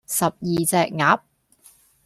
十二隻鴨